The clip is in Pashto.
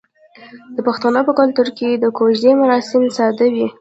د پښتنو په کلتور کې د کوژدې مراسم ساده وي.